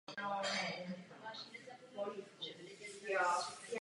Ale tornáda tu jsou méně častá než ve státech na západ od Ohia.